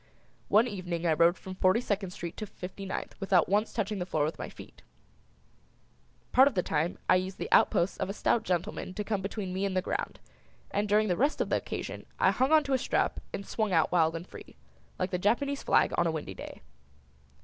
One evening I rode from Forty second Street to Fifty ninth without once touching the floor with my feet. Part of the time I used the outposts of a stout gentleman to come between me and the ground, and during the rest of the occasion I hung on to a strap and swung out wild and free, like the Japanese flag on a windy day.